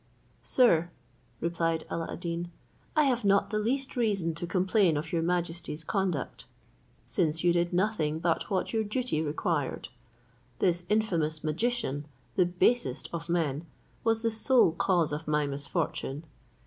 "Sir," replied Alla ad Deen, "I have not the least reason to complain of your majesty's conduct, since you did nothing but what your duty required. This infamous magician, the basest of men, was the sole cause of my misfortune.